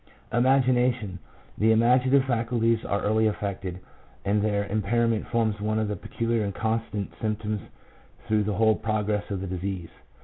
Imagination. — The imaginative faculties are early affected, 1 and their impairment forms one of the peculiar and constant symptoms through the whole progress of the disease.